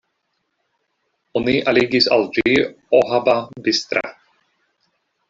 Oni aligis al ĝi Ohaba-Bistra.